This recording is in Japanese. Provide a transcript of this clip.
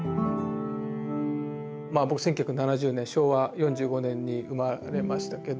僕１９７０年昭和４５年に生まれましたけど